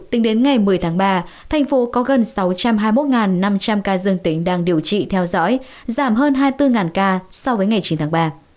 tính đến ngày một mươi tháng ba thành phố có gần sáu trăm hai mươi một năm trăm linh ca dương tính đang điều trị theo dõi giảm hơn hai mươi bốn ca so với ngày chín tháng ba